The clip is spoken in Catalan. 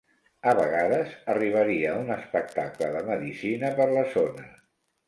A vegades arribaria un espectacle de medicina per la zona.